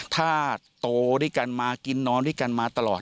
ถ้าโตด้วยกันมากินนอนด้วยกันมาตลอด